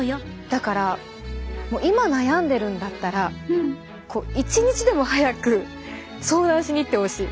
だからもう今悩んでるんだったら一日でも早く相談しに行ってほしい。